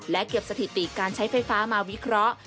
และเก็บสถิติการใช้ไฟฟ้ามาวิเคราะห์